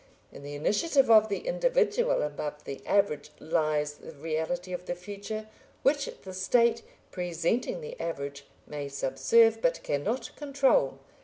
In the initiative of the individual above the average, lies the reality of the future, which the State, presenting the average, may subserve but cannot control.